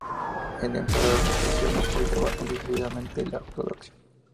El emperador Marciano apoyaba decididamente la ortodoxia.